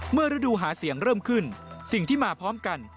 ฤดูหาเสียงเริ่มขึ้นสิ่งที่มาพร้อมกัน